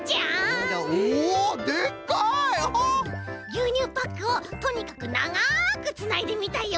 ぎゅうにゅうパックをとにかくながくつないでみたよ。